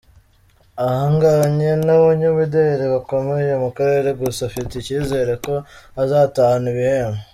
Ahanganye n’abanyamideli bakomeye mu karere gusa afite icyizere ko azatahana ibihembo.